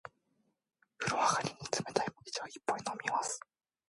お風呂上がりに、冷たい麦茶を一杯飲みます。